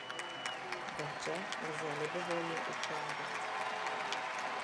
Ve hře lze libovolně ukládat.